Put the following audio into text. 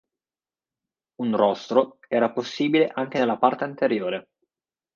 Un rostro era possibile anche nella parte anteriore.